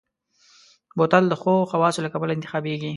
بوتل د ښو خواصو له کبله انتخابېږي.